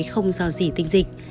không do dì tinh dịch